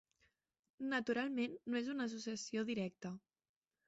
Naturalment, no és una associació directa.